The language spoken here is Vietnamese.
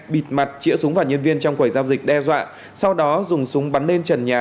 bịt mặt chỉa súng và nhân viên trong quầy giao dịch đe dọa sau đó dùng súng bắn lên trần nhà